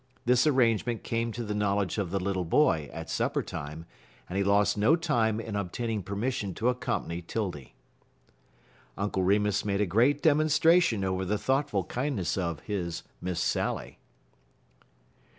This arrangement came to the knowledge of the little boy at supper time, and he lost no time in obtaining permission to accompany 'Tildy. Uncle Remus made a great demonstration over the thoughtful kindness of his "Miss Sally."